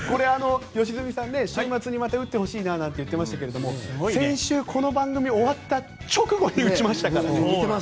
良純さん、週末にまた打ってほしいなって言っていましたけれども先週、この番組が終わった直後に打ちましたからね。